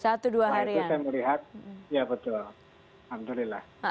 lalu saya melihat ya betul alhamdulillah